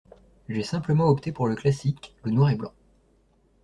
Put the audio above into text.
J’ai simplement opté pour le classique: le noir et blanc.